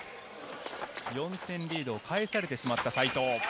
４点リードを返されてしまった西藤。